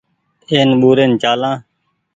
اين ٻورين چآلآن ۔